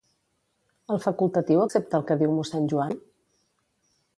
El facultatiu accepta el que diu mossèn Joan?